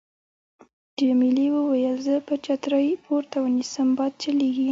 جميلې وويل:: زه به چترۍ پورته ونیسم، باد چلېږي.